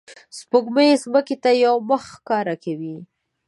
سپوږمۍ ځمکې ته یوه مخ ښکاره کوي